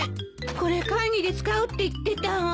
これ会議で使うって言ってたわ。